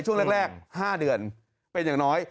ช่วงแรก๕เดือนเป็นอย่างน้อย